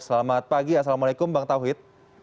selamat pagi assalamualaikum bang tauhid